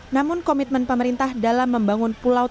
namun komitmen pemerintah dalam membangun pulau